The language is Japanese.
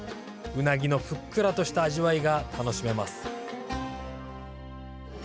うなぎのふっくらとした味わいが楽しめます。